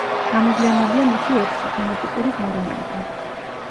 გამოვლენილია მისი ექვსი გენეტიკური ვარიანტი.